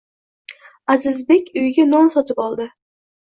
Azizbek uyiga non sotib oldi